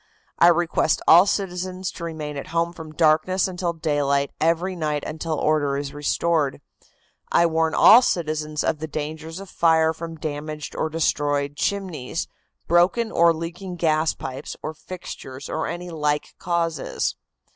"I request all citizens to remain at home from darkness until daylight every night until order is restored. "I warn all citizens of the danger of fire from damaged or destroyed chimneys, broken or leaking gas pipes or fixtures or any like causes."